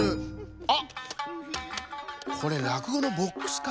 あっこれらくごのボックスか。